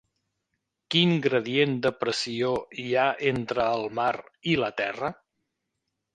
Quin gradient de pressió hi ha entre el mar i la terra?